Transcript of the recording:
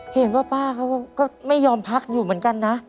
เห็นว่าป้าเขาก็ไม่ยอมพักอยู่เหมือนกันนะ